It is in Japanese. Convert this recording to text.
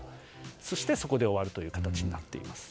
そしてそこで終わる形になっています。